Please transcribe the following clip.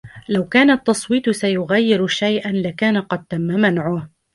لو كان التصويت سيغير شيئا لكان قد تم منعه